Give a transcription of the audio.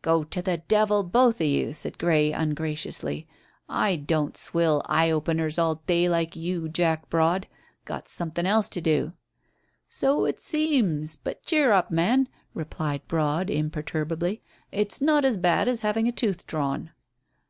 "Go to the devil, both of you," said Grey ungraciously. "I don't swill eye openers all day like you, Jack Broad. Got something else to do." "So it seems. But cheer up, man," replied Broad imperturbably, "it's not as bad as having a tooth drawn."